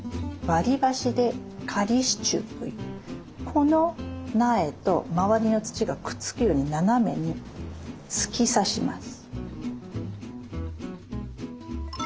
この苗と周りの土がくっつくように斜めに突き刺します。